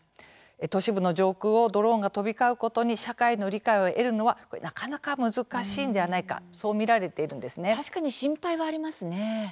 都市部の上空をドローンが飛び交うことに社会の理解を得るのはなかなか難しいんではないか確かに心配はありますね。